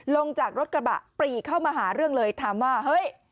ลงจากรถกระบะปรีเข้ามาหาเรื่องเลยถามว่าเฮ้ย